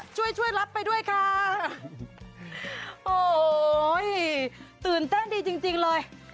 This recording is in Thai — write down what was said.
เชิญเลยค่ะช่วยรับไปด้วยค่ะโอ้โหตื่นเต้นดีจริงเลย